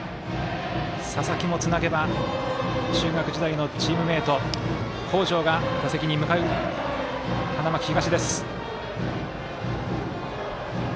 佐々木もつなげば中学時代のチームメート北條が打席に向かう花巻東。